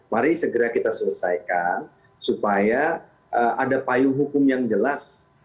mari segera kita selesaikan supaya ada payung hukum yang jelas